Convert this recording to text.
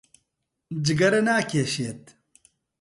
جگەرە ناکێشێت.